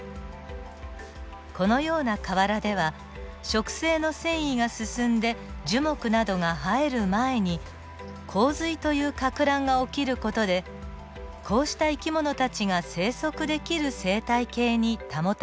このような河原では植生の遷移が進んで樹木などが生える前に洪水というかく乱が起きる事でこうした生き物たちが生息できる生態系に保たれるのです。